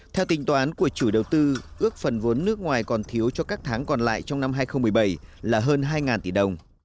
theo tính toán của chủ đầu tư ước phần vốn nước ngoài còn thiếu cho các tháng còn lại trong năm hai nghìn một mươi bảy là hơn hai tỷ đồng